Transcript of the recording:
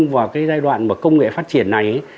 và giai đoạn công nghệ phát triển này